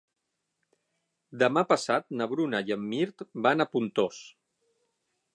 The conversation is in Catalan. Demà passat na Bruna i en Mirt van a Pontós.